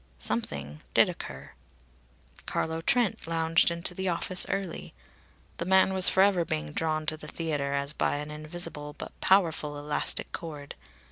Something did occur. Carlo Trent lounged into the office early. The man was forever being drawn to the theatre as by an invisible but powerful elastic cord.